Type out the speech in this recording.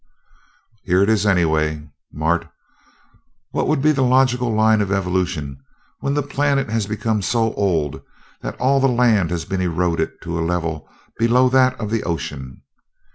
"Here it is, anyway. Mart, what would be the logical line of evolution when the planet has become so old that all the land has been eroded to a level below that of the ocean?